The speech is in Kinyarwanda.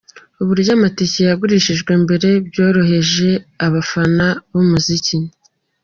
Uburyo amatike yagurishijwe mbere byorohereje abafana b’umuziki.